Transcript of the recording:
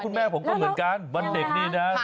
แม่ผมก็เหมือนกันวันเด็กนี่นะ